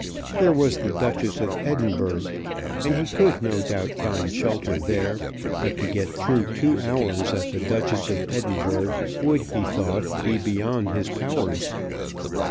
There was the "Duchess of Edinburgh," and he could no doubt find shelter there. But to get through two hours at the "Duchess of Edinburgh" would, he thought, be beyond his powers.